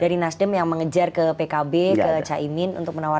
dari nasdem yang mengejar ke pkb ke caimin untuk menawarkan